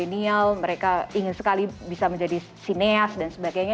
mereka mencari penulis yang menyenangkan mereka ingin sekali bisa menjadi sineas dan sebagainya